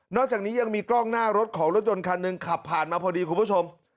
อกจากนี้ยังมีกล้องหน้ารถของรถยนต์คันหนึ่งขับผ่านมาพอดีคุณผู้ชม